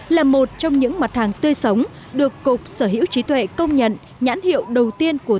là một trong những mặt hàng tươi sống được cục sở hữu trí tuệ công nhận nhãn hiệu đầu tiên của